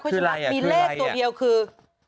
คืออะไรอ่ะคืออะไรอ่ะมีเลขตัวเดียวคือ๑๓